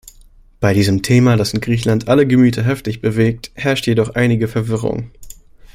Bei diesem Thema, das in Griechenland alle Gemüter heftig bewegt, herrscht jedoch einige Verwirrung.